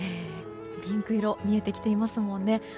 ピンク色見えてきていますもんね。